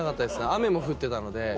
雨も降ってたので。